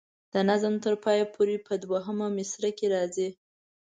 د نظم تر پایه پورې په دوهمه مصره کې راځي.